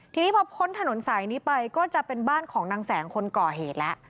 ทีนี้พอพ้นถนนสายนี้ไปก็จะเป็นบ้านของนางแสงคนก่อเหตุแล้ว